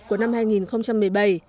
của năm hai nghìn một mươi bảy